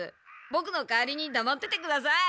ボクの代わりにだまっててください。